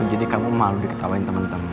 oh jadi kamu malu diketawain temen temen